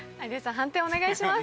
判定お願いします。